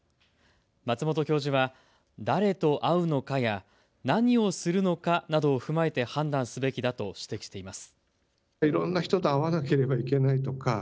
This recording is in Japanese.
松本教授は誰と会うのかや、何をするのかなどを踏まえて判断すべきだと指摘しています。